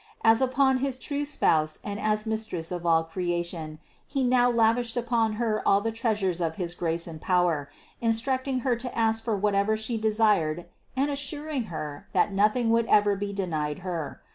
As upon his True Spouse and as Mistress of all creation, He now lavished upon Her all the treasures of his grace and power, in structing Her to ask for whatever She desired and assur ing Her that nothing would ever be denied Her.